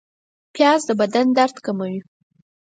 پیاز د بدن درد کموي